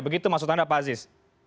begitu maksud anda pak aziz